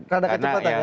rada kecepatan ya